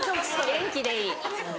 元気でいい。